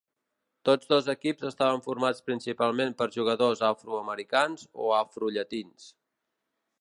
Tots dos equips estaven formats principalment per jugadors afroamericans o afrollatins.